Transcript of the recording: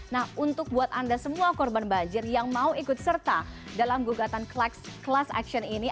nah untuk buat anda semua korban banjir yang mau ikut serta dalam gugatan class action ini